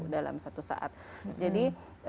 dalam satu saat jadi